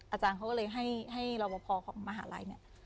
อาจารย์เขาก็เลยให้รอบพอของมหาลัยเนี่ย